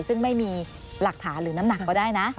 ซึ่งไม่มีหลักฐานหรือน้ำหนักก็ได้นะ